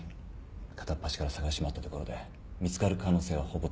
片っ端から捜し回ったところで見つかる可能性はほぼゼロに等しい。